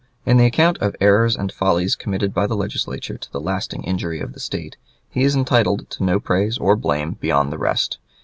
In the account of errors and follies committed by the Legislature to the lasting injury of the State, he is entitled to no praise or blame beyond the rest.